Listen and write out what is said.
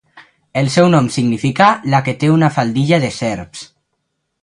El seu nom significa 'la que té una faldilla de serps'.